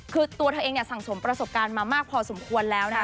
คือตัวเธอเองสั่งสมประสบการณ์มามากพอสมควรแล้วนะคะ